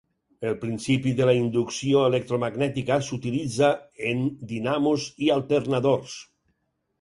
El principi de la inducció electromagnètica s'utilitza en dinamos i alternadors.